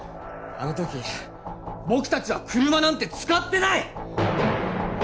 あの時僕たちは車なんて使ってない！